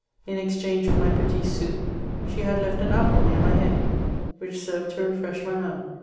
In ex change for my petti sou, she had left an apple near my head, which served to refresh my mouth.